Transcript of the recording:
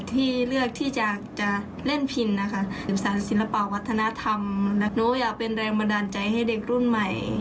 ที่ได้ให้โอกาสหนูบริเวณศิลปะวัฒนธรรมนะนะคะขอขอบคุณค่ะ